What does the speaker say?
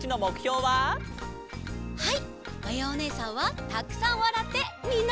はい！